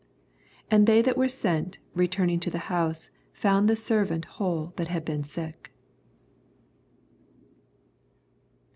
10 And they that were sent, return^ ing to the house, found the servant he" ' whole that had been sick.